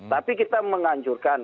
tapi kita menghancurkan